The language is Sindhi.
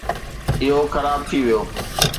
اهو خراب ٿي ويو.